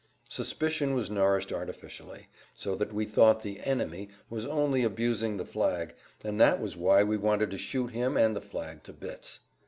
Suspicion was nourished artificially, so that we thought the "enemy" was only abusing the flag; and that was why we wanted to shoot him and the flag to bits.